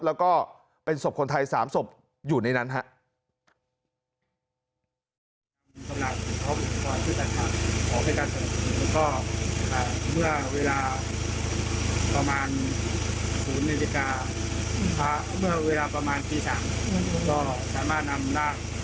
แล้วก็เป็นสมประสานคนไทย๓สมปอยู่ในนั้นนะครับ